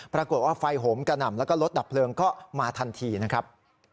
ปรากฏว่าไฟโหมกระหน่ำแล้วก็รถดับเพลิงก็มาทันทีนะครับ